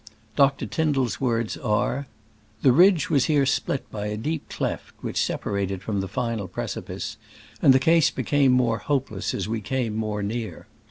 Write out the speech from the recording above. Dr. Tyn dall's words are : "The ridge was here split by a deep cleft which separated it from the final precipice, and the case became more hopeless as we came more near."